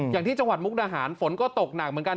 อย่างที่จังหวัดมุกดาหารฝนก็ตกหนักเหมือนกัน